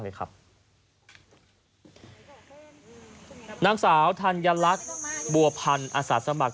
นางสาวธัญลักษ์บัวพันธุ์อาสาสมัครสถาบันทรณ์